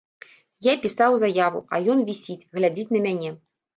Я пісаў заяву, а ён вісіць, глядзіць на мяне.